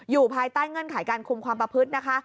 ภายใต้เงื่อนไขการคุมความประพฤตินะคะ